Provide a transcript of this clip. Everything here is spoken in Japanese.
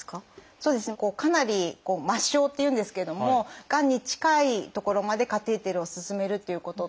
そうですねかなり末梢っていうんですけどもがんに近い所までカテーテルを進めるっていうことと。